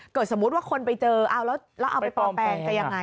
สมมุติว่าคนไปเจอเอาแล้วเอาไปปลอมแปลงจะยังไง